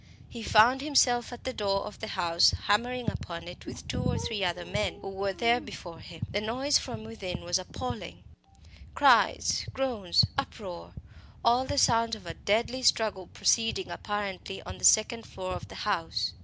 He found himself at the door of the house, hammering upon it with two or three other men who were there before him. The noise from within was appalling cries, groans, uproar all the sounds of a deadly struggle proceeding apparently on the second floor of the house.